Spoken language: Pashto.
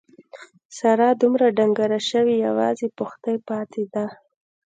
ساره دومره ډنګره شوې یوازې پښتۍ پاتې ده.